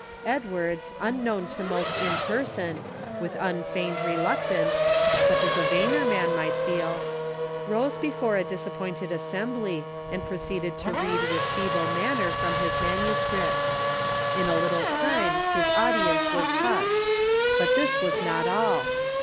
Edwards, unknown to most in person, with unfeigned reluc tance, such as a vainer man might feel, rose before a disap pointed assembly, and proceeded to read with feeble manner from his maniisci'ipt. In a little time his audience was hushed. But this was not all.